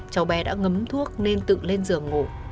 cháu bé đã ngấm thuốc nên tự lên giường ngủ